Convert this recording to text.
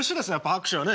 拍手はね。